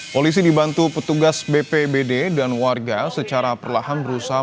polisi dibantu petugas bpbd dan warga secara perlahan berusaha